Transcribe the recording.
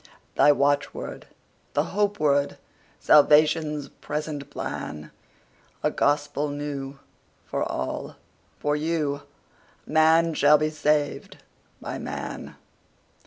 The watchword, the hope word, Salvation's present plan?A gospel new, for all—for you:Man shall be saved by man.